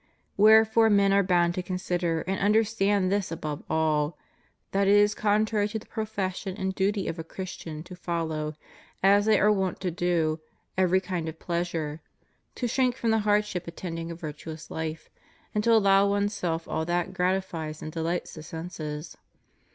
* Wherefore men are bound to consider and understand this above all, that it is contrary to the profession and duty of a Christian to follow, as they are wont to do, every kind of pleasure, to shrink from the hardship attending a virtuous life, and to allow oneseK all that gratifies and deUghts the senses.